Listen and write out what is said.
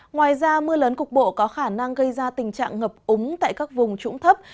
ngoài ra mưa lớn cục bộ có khả năng gây ra tình trạng ngập úng tại các vùng trũng thấp